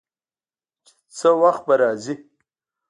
چې څه وخت به راځي.